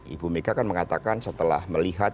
ibu mega kan mengatakan setelah melihat